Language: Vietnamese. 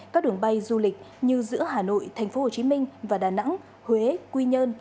các đường bay du lịch như giữa hà nội tp hcm và đà nẵng huế quy nhơn